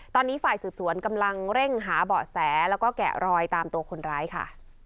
ตอนนี้ฝ่ายสืบสวนกำลังเร่งหาเบาะแสแล้วก็แกะรอยตามตัวคนร้ายค่ะ